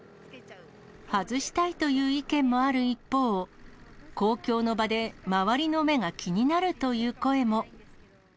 外したいという意見もある一方、公共の場で周りの目が気になるという声も。